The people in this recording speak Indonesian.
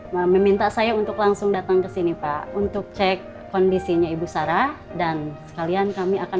gak karena aku rela nuh ngerebut kamu dari bangin